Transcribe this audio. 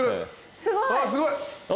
すごい！